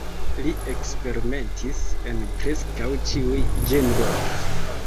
Li eksperimentis en preskaŭ ĉiuj ĝenroj.